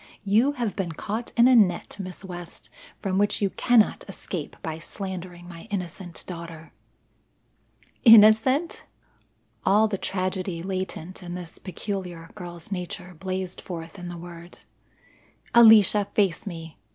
You have been caught in a net, Miss West, from which you cannot escape by slandering my innocent daughter." "Innocent!" All the tragedy latent in this peculiar girl's nature blazed forth in the word. "Alicia, face me.